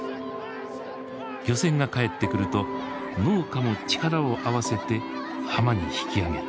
漁船が帰ってくると農家も力を合わせて浜に引き上げた。